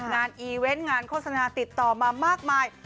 อีเวนต์งานโฆษณาติดต่อมามากมาย